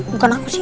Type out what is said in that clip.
bukan aku sih